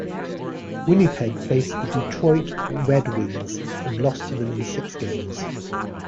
Winnipeg faced the Detroit Red Wings and lost to them in six games.